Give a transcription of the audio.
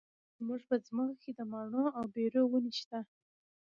زموږ په ځمکه کې د مماڼو او بیرو ونې شته.